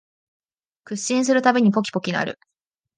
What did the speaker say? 屈伸するたびにポキポキ鳴る